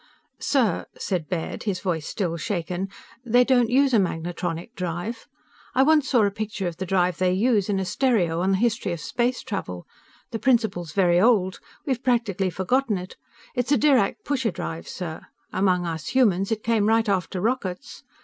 _" "Sir," said Baird, his voice still shaken, "they don't use a magnetronic drive. I once saw a picture of the drive they use, in a stereo on the history of space travel. The principle's very old. We've practically forgotten it. It's a Dirac pusher drive, sir. Among us humans, it came right after rockets.